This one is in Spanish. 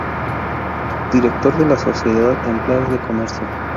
Director de la Sociedad Empleados de Comercio.